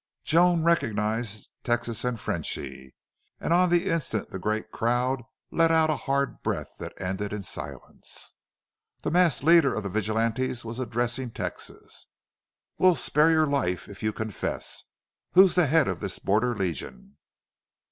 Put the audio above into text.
Joan recognized Texas and Frenchy. And on the instant the great crowd let out a hard breath that ended in silence. The masked leader of the vigilantes was addressing Texas: "We'll spare your life if you confess. Who's the head of this Border Legion?"